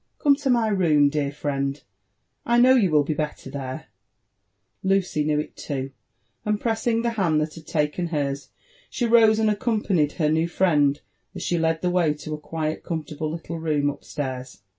— come to my room, dear frieud 1— I know you will be better there." tot MFB AND ADVENTURES OP Lucy knew it too, and pressing the hand that had taken hers, she rose, and accompanied her new friend as she led the way to a quiet, comfortable lillle room upstairs.